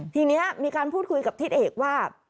ทีนี้มีการพูดคุยกับทิศเอกว่า